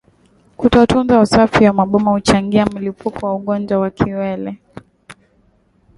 Kutotunza usafi wa maboma huchangia mlipuko wa ugonjwa wa kiwele